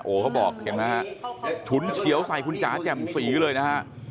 เขาบอกเห็นไหมฮะฉุนเฉียวใส่คุณจ๋าแจ่มสีเลยนะฮะ